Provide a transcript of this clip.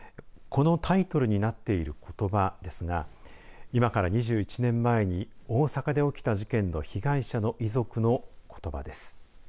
このタイトルになっていることばですが今から２１年前に大阪で起きた事件の被害者の遺族のことばです。